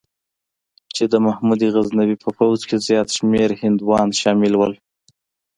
چې د محمود غزنوي په پوځ کې زیات شمېر هندوان شامل وو.